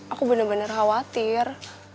aku bener bener khawatir